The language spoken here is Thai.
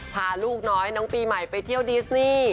พาลูกน้อยน้องปีใหม่ไปเที่ยวดิสซี่